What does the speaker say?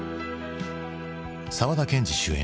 沢田研二主演